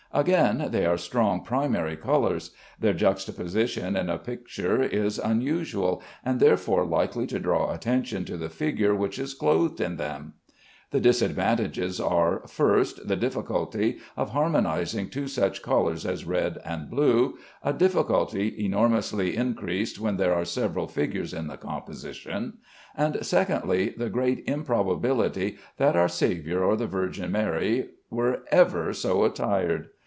Again, they are strong primary colors; their juxtaposition in a picture is unusual, and therefore likely to draw attention to the figure which is clothed in them. The disadvantages are, first, the difficulty of harmonizing two such colors as red and blue (a difficulty enormously increased when there are several figures in the composition); and, secondly, the great improbability that our Saviour or the Virgin Mary ever were so attired.